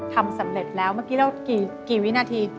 ทำสำเร็จแล้วเมื่อกี้เรากี่วินาที